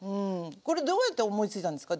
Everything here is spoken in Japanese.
これどうやって思いついたんですか？